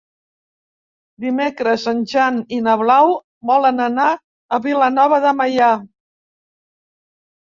Dimecres en Jan i na Blau volen anar a Vilanova de Meià.